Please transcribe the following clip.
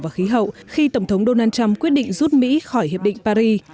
và khí hậu khi tổng thống donald trump quyết định rút mỹ khỏi hiệp định paris